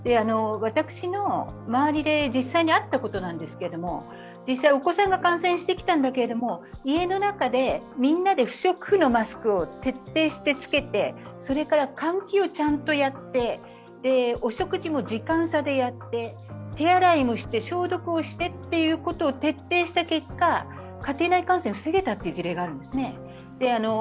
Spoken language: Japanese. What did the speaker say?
私の周りで実際にあったことなんですがお子さんが感染してきたんだけれども家の中でみんなで不織布のマスクを徹底して着けてそれから換気をちゃんとやって、お食事も時間差でやって手洗いもして消毒をしてってことを徹底した結果、家庭内感染防げたという事例があるんですね。